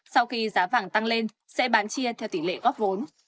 sau khi giá vàng tăng lên sẽ bán chia theo tỷ lệ góp vốn